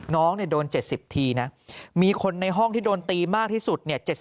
น้องโดน๗๐ทีนะมีคนในห้องที่โดนตีมากที่สุดเนี่ย